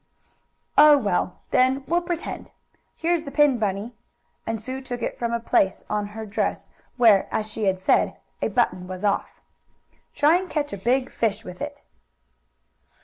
"Oh, well, then we'll pretend. Here's the pin, Bunny," and Sue took it from a place on her dress where, as she had said, a button was off. "Try and catch a big fish with it."